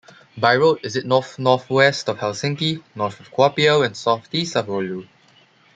By road is it north-northwest of Helsinki, north of Kuopio, and southeast of Oulu.